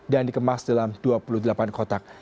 dan dikemas dalam dua puluh delapan kotak